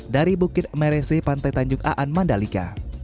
dari bukit merese pantai tanjung aan mandalika